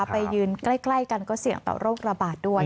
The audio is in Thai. ไปยืนใกล้กันก็เสี่ยงต่อโรคระบาดด้วย